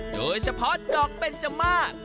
โดยเฉพาะดอกเบนจม่า